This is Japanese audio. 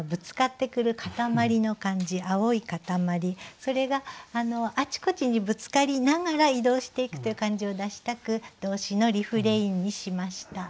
それがあちこちにぶつかりながら移動していくという感じを出したく動詞のリフレインにしました。